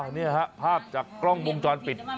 นี่ฮะภาพจากกล้องวงจรปิด